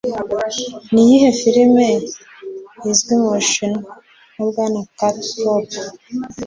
Niyihe firime izwi mu Bushinwa nka "Bwana Cat Poop?